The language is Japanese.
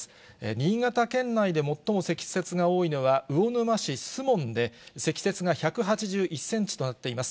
新潟県内で最も積雪が多いのは魚沼市守門で、積雪が１８１センチとなっています。